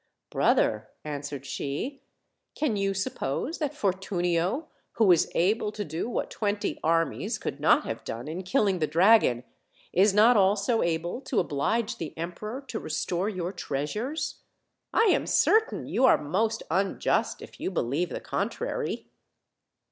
"Brother," answered she, "can you suppose that For tunio, who was able to do what twenty armies could not have done in killing the dragon, is not also able to oblige the emperor to restore your treasures? I am certain you are most unjust if you believe the contrary."